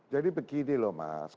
jadi begini loh mas